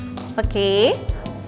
tadi pagi aku mau ke rumah